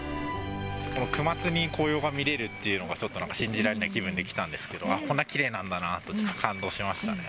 ９末に紅葉が見れるっていうのが、ちょっとなんか信じられない気分で来たんですけど、こんなきれいなんだなと、ちょっと感動しましたね。